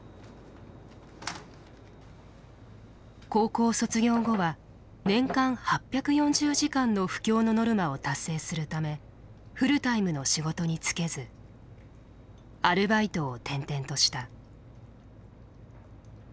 高校卒業後は年間８４０時間の布教のノルマを達成するためフルタイムの仕事に就けずアルバイトを転々とした。